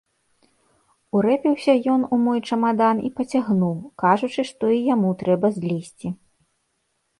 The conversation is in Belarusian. Урэпіўся ён у мой чамадан і пацягнуў, кажучы, што і яму трэба злезці.